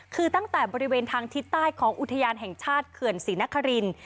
คือตั้งแต่บริเวณทางทิศใต้ของอุทยานแห่งชาติเขื่อนศรีนคริน